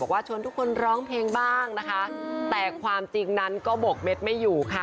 ว่าชวนทุกคนร้องเพลงบ้างนะคะแต่ความจริงนั้นก็บกเม็ดไม่อยู่ค่ะ